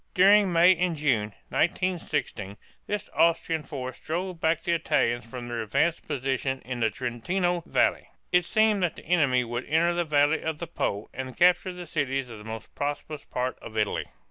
During May and June, 1916, this Austrian force drove back the Italians from their advanced positions in the Trentino valley. It seemed that the enemy would enter the valley of the Po and capture the cities of the most prosperous part of Italy.